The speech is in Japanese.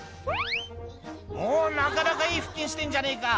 「おぉなかなかいい腹筋してんじゃねえか」